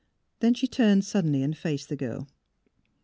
Then she turned suddenly and faced the girl.